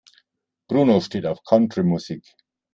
Bruno steht auf Country-Musik.